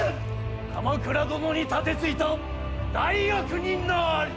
鎌倉殿に盾ついた大悪人なり！